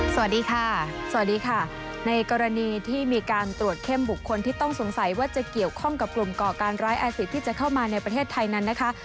สวัสดีค่ะสวัสดีค่ะในกรณีที่มีการตรวจเข้มบุคคลที่ต้องสงสัยว่าจะเกี่ยวข้องกับกลุ่มก่อการร้ายอาศิษย์ที่จะเข้ามาในประเทศไทยนั้นนะคะ